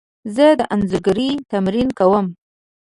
زه د انځورګري تمرین کوم.